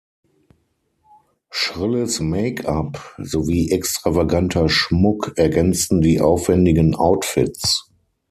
Schrilles Make-up sowie extravaganter Schmuck ergänzten die aufwendigen Outfits.